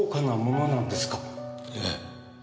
ええ。